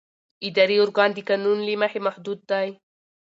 اداري ارګان د قانون له مخې محدود دی.